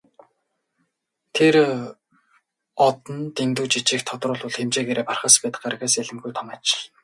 Тэр од нь дэндүү жижиг, тодруулбал хэмжээгээрээ Бархасбадь гаригаас ялимгүй том аж.